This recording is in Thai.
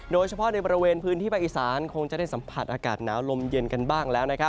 โดยเฉพาะในบริเวณพื้นที่ภาคอีสานคงจะได้สัมผัสอากาศหนาวลมเย็นกันบ้างแล้ว